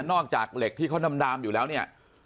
จากเหล็กที่เขาดำอยู่แล้วเนี่ย